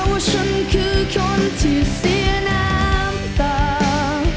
ว่าฉันคือคนที่เสียน้ำตา